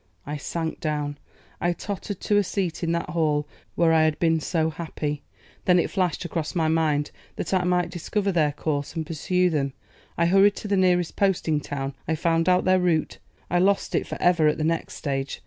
I sank down; I tottered to a seat in that hall where I had been so happy. Then it flashed across my mind that I might discover their course and pursue them. I hurried to the nearest posting town. I found out their route. I lost it for ever at the next stage.